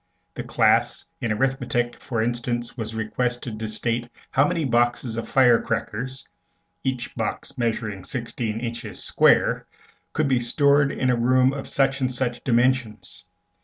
The class in arithmetic, for instance, was requested to state how many boxes of fire crackers, each box measuring sixteen inches square, could be stored in a room of such and such dimensions.